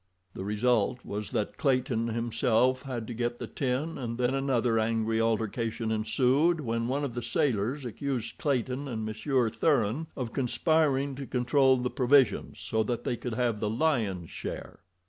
The result was that Clayton himself had to get the tin, and then another angry altercation ensued when one of the sailors accused Clayton and Monsieur Thuran of conspiring to control the provisions so that they could have the lion's share.